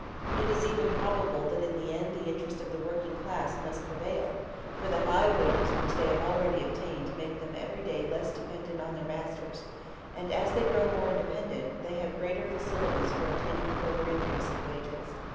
It is even probable that in the end the interest of the working class must prevail; for the high wages which they have already obtained make them every day less dependent on their masters; and as they grow more independent, they have greater facilities for obtaining a further increase of wages.